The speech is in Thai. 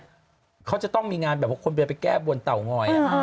พี่จินเขาจะต้องมีงานแบบคนเวียนไปแก้บวนเต่างอย